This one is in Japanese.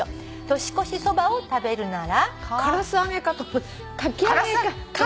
「年越しそばを食べるなら」